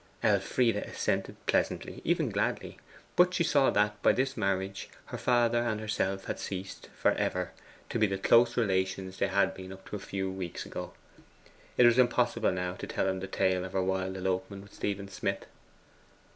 Elfride assented pleasantly, even gladly; but she saw that, by this marriage, her father and herself had ceased for ever to be the close relations they had been up to a few weeks ago. It was impossible now to tell him the tale of her wild elopement with Stephen Smith.